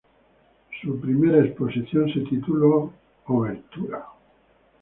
Su primera exposición se tituló "Obertura".